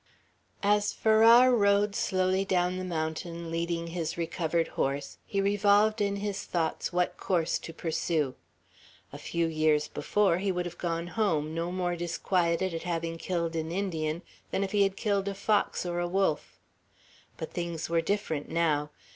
As Farrar rode slowly down the mountain, leading his recovered horse, he revolved in his thoughts what course to pursue. A few years before, he would have gone home, no more disquieted at having killed an Indian than if he had killed a fox or a wolf. But things were different now.